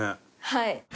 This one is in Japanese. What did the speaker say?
はい。